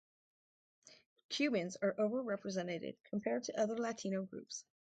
Cubans are overrepresented compared to other Latino groups.